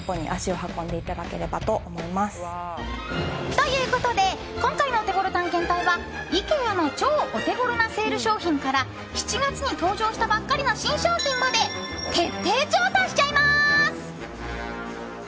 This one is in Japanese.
ということで今回のオテゴロ探検隊はイケアの超お手ごろなセール商品から７月に登場したばっかりの新商品まで徹底調査しちゃいます！